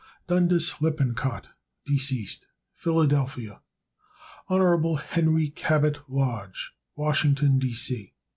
Dundas Lippincott,* Philadelphia, Pa. Hon. Henry Cabot Lodge, Washington, D. C.